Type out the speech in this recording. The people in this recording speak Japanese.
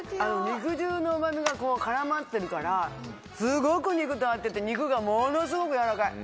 肉汁のうまみがこう絡まってるからすごく肉と合ってて肉がものすごく軟らかい。